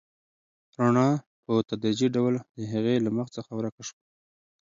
رڼا په تدریجي ډول د هغې له مخ څخه ورکه شوه.